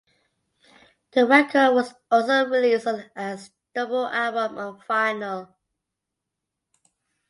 The record was also released as double album on vinyl.